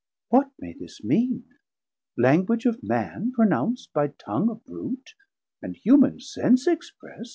What may this mean? Language of Man pronounc't By Tongue of Brute, and human sense exprest?